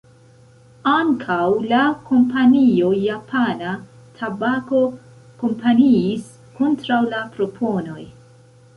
Ankaŭ la kompanio Japana Tabako kampanjis kontraŭ la proponoj.